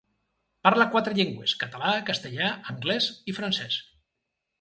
Parla quatre llengües: català, castellà, anglès i francès.